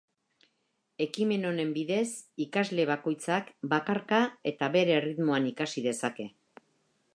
Ekimen honen bidez, ikasle bakoitzak bakarka eta bere erritmoan ikasi dezake.